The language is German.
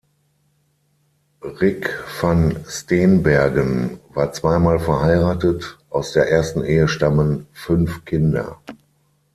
Rik Van Steenbergen war zweimal verheiratet; aus der ersten Ehe stammten fünf Kinder.